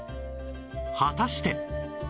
果たして？